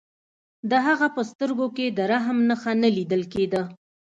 د هغه په سترګو کې د رحم نښه نه لیدل کېده